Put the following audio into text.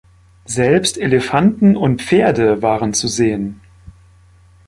Selbst Elefanten und Pferde waren zu sehen.